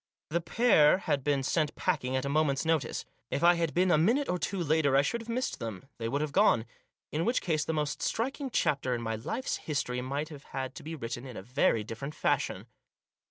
The pair had been sent packing at a moment's notice. If I had been a minute or two later I should have missed them ; they would have gone. In which case the most striking chapter in my life's history might have had to be written in a very different fashion.